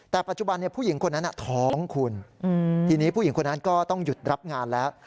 แต่ปัจจุบันผู้หญิงคนนั้นท้องคุณทีนี้ผู้หญิงคนนั้นก็ต้องหยุดรับงานแล้ว